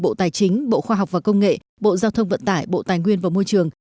bộ tài chính bộ khoa học và công nghệ bộ giao thông vận tải bộ tài nguyên và môi trường